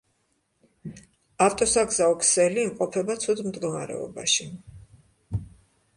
ავტოსაგზაო ქსელი იმყოფება ცუდ მდგომარეობაში.